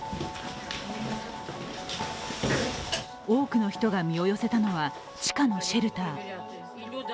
多くの人が身を寄せたのは地下のシェルター。